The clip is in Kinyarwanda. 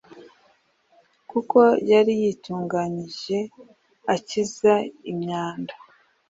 kuko yari yitunganije akize imyanda